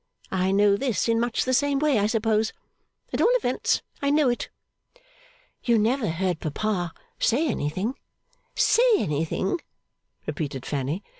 I know this in much the same way, I suppose. At all events, I know it.' 'You never heard Papa say anything?' 'Say anything?' repeated Fanny.